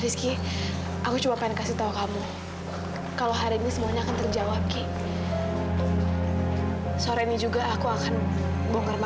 sampai jumpa di video selanjutnya